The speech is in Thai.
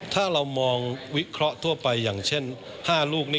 ถ้าเรามองวิเคราะห์ทั่วไปอย่างเช่น๕ลูก